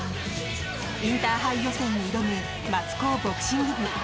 インターハイ予選に挑む松高ボクシング部。